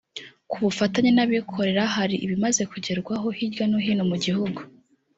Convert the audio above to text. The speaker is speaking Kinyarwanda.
ku bufatanye n’abikorera hari ibimaze kugerwaho, hirya no hino mu gihugu